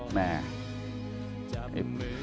แหม